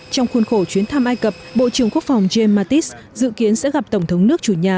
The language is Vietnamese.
trong khuôn khổ chuyến thăm ai cập bộ trưởng quốc phòng james mattis dự kiến sẽ gặp tổng thống nước chủ nhà